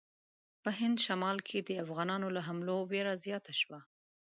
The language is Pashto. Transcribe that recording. په هند شمال کې د افغانانو له حملو وېره زیاته شوه.